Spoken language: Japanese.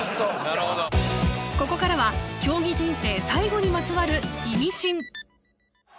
ここからは競技人生最後にまつわるイミシン